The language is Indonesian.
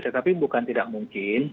tetapi bukan tidak mungkin